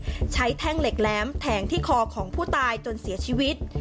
และใช้แท่งเหล็กแหลมแทงที่คอของผู้ตายจนเสียชีวิต